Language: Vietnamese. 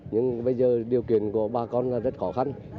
nhưng bây giờ điều kiện của bà con là rất khó khăn